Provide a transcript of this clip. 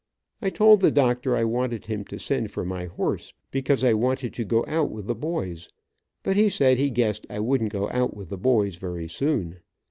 I told the doctor I wanted him to send for my horse, because I wanted to go out with the boys, but he said he guessed I wouldn't go out with the boys very soon.